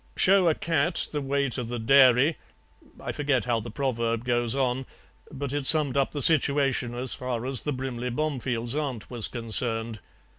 'Show a cat the way to the dairy ' I forget how the proverb goes on, but it summed up the situation as far as the Brimley Bomefields' aunt was concerned.